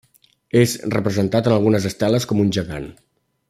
És representat en algunes esteles com un gegant.